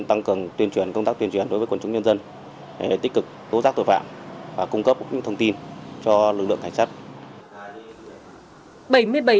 tăng cường công tác tuyên truyền đối với quần chúng nhân dân tích cực tố giác tội phạm và cung cấp thông tin cho lực lượng cảnh sát